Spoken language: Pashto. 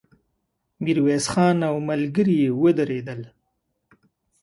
ميرويس خان او ملګري يې ودرېدل.